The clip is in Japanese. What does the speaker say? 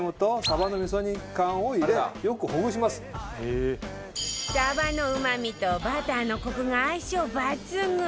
サバのうまみとバターのコクが相性抜群